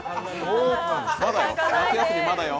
夏休みはまだよ。